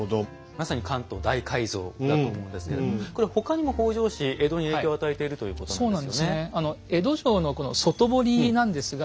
まさに「関東大改造」だと思うんですけれどもこれ他にも北条氏江戸に影響を与えているということなんですよね。